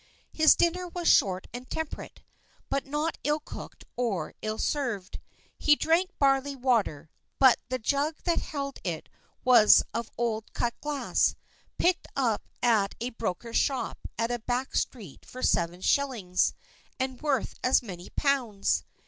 His dinner was short and temperate, but not ill cooked or ill served. He drank barley water, but the jug that held it was of old cut glass, picked up at a broker's shop in a back street for seven shillings, and worth as many pounds.